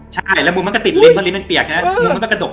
ใช่แล้วบุญมันก็ติดลิ้นเพราะลิ้นมันเปียกใช่ไหมบุญมันก็กระดก